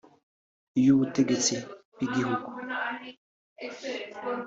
iy’ubutegetsi bw’igihugu